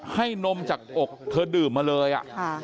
นมจากอกเธอดื่มมาเลย